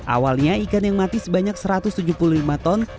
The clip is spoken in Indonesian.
awalnya ikan yang mati sebanyak satu ratus tujuh puluh lima ton